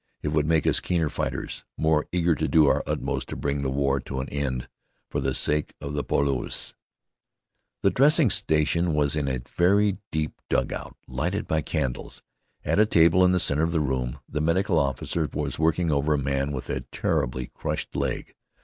It would make us keener fighters, more eager to do our utmost to bring the war to an end for the sake of those poilus. The dressing station was in a very deep dugout, lighted by candles. At a table in the center of the room the medical officer was working over a man with a terribly crushed leg.